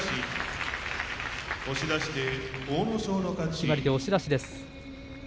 決まり手、押し出しです。